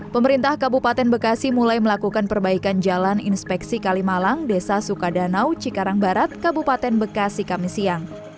pemerintah kabupaten bekasi mulai melakukan perbaikan jalan inspeksi kalimalang desa sukadanau cikarang barat kabupaten bekasi kami siang